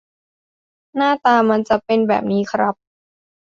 หน้าตามันจะเป็นแบบนี้ครับ